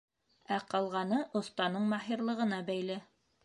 Ә ҡалғаны оҫтаның маһирлығына бәйле.